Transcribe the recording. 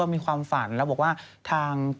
ผมก็บอกว่าฟ้าเปิด